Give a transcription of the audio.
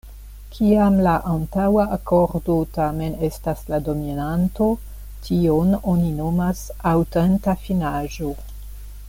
Kiam la antaŭa akordo tamen estas la dominanto, tion oni nomas aŭtenta finaĵo.